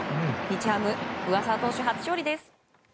日ハム上沢投手、初勝利です。